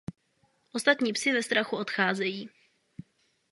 Ostatní psi ve strachu odcházejí.